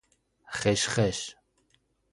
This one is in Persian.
خش خش